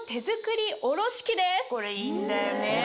これいいんだよね！